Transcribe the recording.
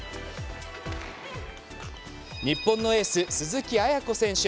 日本のエース、鈴木亜弥子選手。